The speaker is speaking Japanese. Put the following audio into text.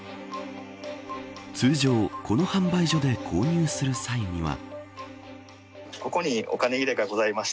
通常この販売所で購入する際には。